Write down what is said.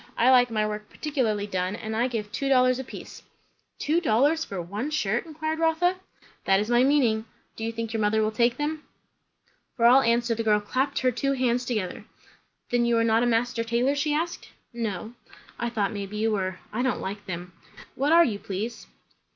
I like my work particularly done, and I give two dollars a piece." "Two dollars for one shirt?" inquired Rotha. "That is my meaning. Do you think your mother will take them?" For all answer the girl clapped her two hands together. "Then you are not a master tailor?" she asked. "No." "I thought maybe you were. I don't like them. What are you, please?"